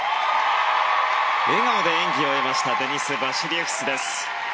笑顔で演技を終えましたデニス・バシリエフスです。